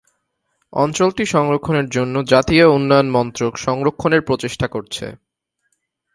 অঞ্চলটি সংরক্ষণের জন্য জাতীয় উন্নয়ন মন্ত্রক সংরক্ষণের প্রচেষ্টা করছে।